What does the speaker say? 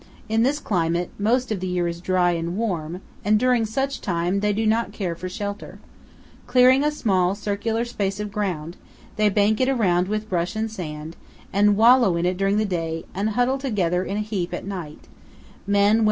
In this climate, most of the year is dry and warm, and during such time they do not care for shelter. Clearing a small, circular space of ground, they bank it around with brush and sand, and wallow in it during the day and huddle together in a heap at night men, women, 317 powell canyons 196.